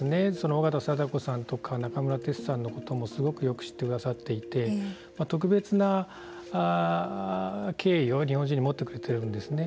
緒方貞子さんとか中村哲さんのこともすごくよく知ってくださっていて特別な敬意を日本人に持ってくれているんですね。